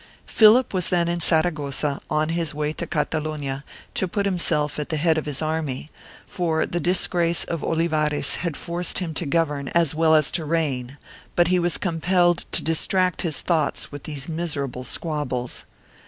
Philip was then in Saragossa, on his way to Catalonia to put himself at the head of his army, for the disgrace of Olivares had forced him to govern as well as to reign, but he was compelled to distract his thoughts with these miserable squabbles.